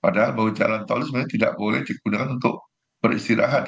padahal bahwa jalan tol sebenarnya tidak boleh digunakan untuk beristirahat